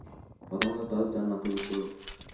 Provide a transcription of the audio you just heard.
প্রথমত, তা জান্নাতুল খুলদ।